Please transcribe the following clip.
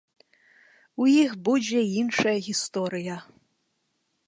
У іх будзе іншая гісторыя.